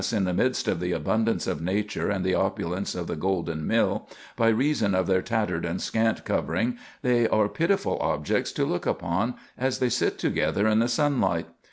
in the midst of the abundance of nature and the opulence of the golden mill, by reason of their tattered and scant covering they are pitiful objects to look upon as they sit together in the sunlight.